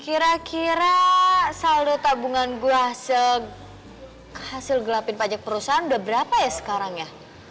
kira kira saldo tabungan buah hasil gelapin pajak perusahaan udah berapa ya sekarang ya